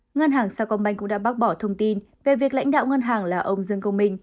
ngân hàng sao công banh cũng đã bác bỏ thông tin về việc lãnh đạo ngân hàng là ông dương công minh